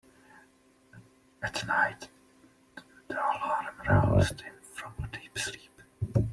At night the alarm roused him from a deep sleep.